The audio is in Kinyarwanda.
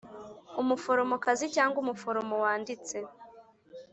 umuforomokazi cyangwa umuforomo wanditse